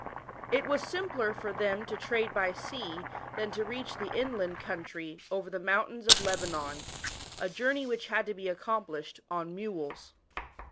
It was simpler for them to trade by sea than to reach thu inland country over the mountains of Lebanon a journey which had to be accomplished on mules.